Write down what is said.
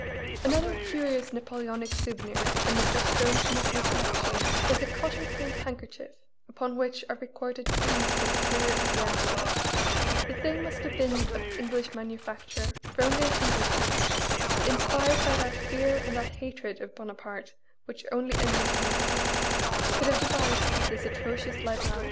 Another curious Napoleonic souvenir in Mr. Stone's motley collection is a cotton print handkerchief, upon which are recorded scenes from the career of the emperor; the thing must have been of English manufacture, for only an Englishman (inspired by that fear and that hatred of Bonaparte which only Englishmen had) could have devised this atrocious libel.